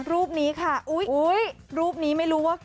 รูปนี้ค่ะอุ๊ยรูปนี้ไม่รู้ว่า